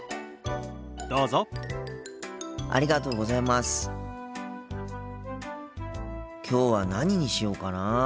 心の声きょうは何にしようかな。